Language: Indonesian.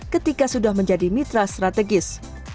ketika sudah menjadi mitra strategis